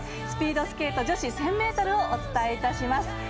スピードスケート女子１０００ｍをお伝えします。